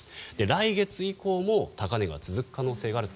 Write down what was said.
来月以降も高値が続く可能性があると